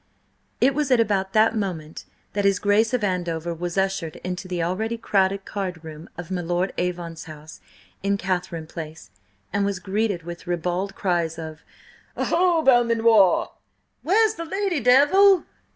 It was at about that moment that his Grace of Andover was ushered into the already crowded card room of my Lord Avon's house in Catharine Place, and was greeted with ribald cries of "Oho, Belmanoir!", and "Where's the lady, Devil?"